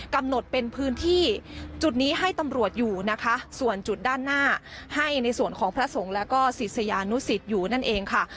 กำหนดเป็นพื้นที่จุดนี้ให้ตำรวจอยู่นะคะส่วนจุดด้านหน้าให้ในส่วนของพระสงฆ์แล้วก็ศิษยานุสิตอยู่นั่นเองค่ะ